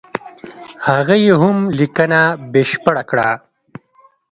هغه یې هم لیکنه بشپړه کړه.